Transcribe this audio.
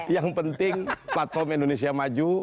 yang penting platform indonesia maju